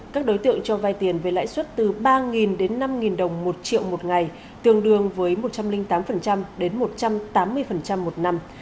các đối tượng cho vai tiền với lãi suất từ ba đến năm đồng một triệu một ngày tương đương với một trăm linh tám đến một trăm tám mươi một năm